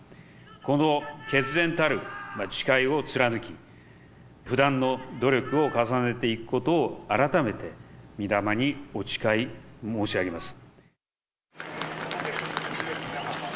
この決然たる誓いを貫き、不断の努力を重ねていくことを、改めてみ霊にお誓い申し上げます。